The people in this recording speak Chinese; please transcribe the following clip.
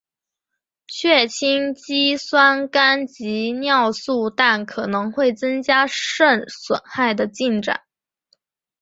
血清肌酸酐及尿素氮可能会增加肾损害的进展。